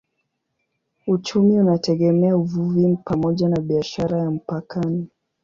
Uchumi unategemea uvuvi pamoja na biashara ya mpakani.